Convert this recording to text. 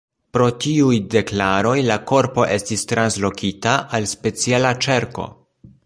Pro tiuj deklaroj, la korpo estis translokita al speciala ĉerko.